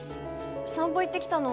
散歩行ってきたの？